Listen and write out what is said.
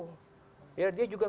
dia juga tidak bisa mempergunakan